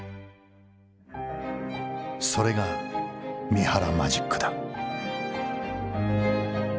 それが三原マジックだ。